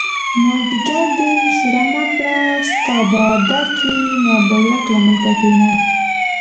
مازديګری دی ښېرې مکړه ستا به عادت وي ما به ورک له ملکه کړينه